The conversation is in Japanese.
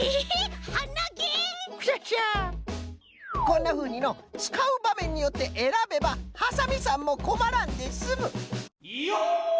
こんなふうにのつかうばめんによってえらべばハサミさんもこまらんですむ。